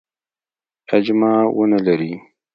اجماع نه ولري.